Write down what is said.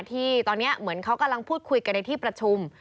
ที่ตอนนี้เหมือนเขากำลังพูดคุยกันในที่ประชุม